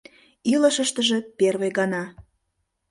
Илышыштыже первый гана...